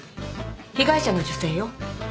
被害者の女性よ。